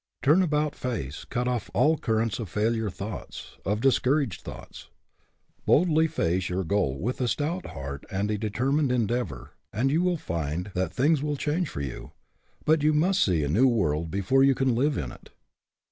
Turn about face ; cut off all the currents of failure thoughts, of discouraged thoughts. Boldly face your goal with a stout heart and a determined endeavor and you will find that things will change for you ; but you must see a new world before you can live in it.